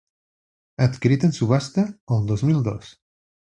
Adquirit en subhasta el dos mil dos.